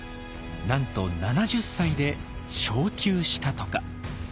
なんと７０歳で昇給したとか。